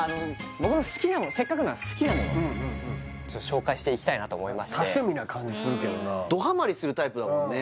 僕の好きな物せっかくなら好きな物紹介していきたいなと思いましてどハマリするタイプだもんね